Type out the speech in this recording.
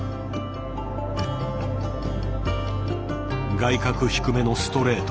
外角低めのストレート